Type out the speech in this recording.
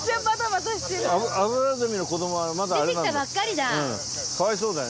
出てきたばっかりだ。